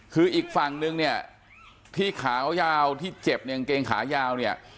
คืออีกฝั่งนึงเนี่ยที่ขาวยาวที่เจ็บเนี่ยกางเกงขายาวเนี่ย